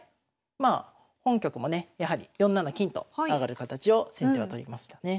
まあ本局もねやはり４七金と上がる形を先手は取りましたね。